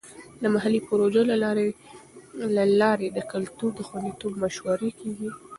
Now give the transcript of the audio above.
د محلي پروژو له لارې د کلتور د خوندیتوب مشورې کیږي.